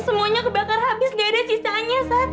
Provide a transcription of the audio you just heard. semuanya kebakar habis gak ada sisanya sat